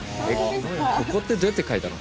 ここってどうやって描いたの？